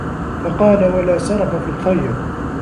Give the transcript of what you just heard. فَقَالَ وَلَا سَرَفَ فِي الْخَيْرِ